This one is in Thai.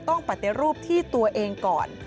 แต่รูปที่ตัวเองก่อน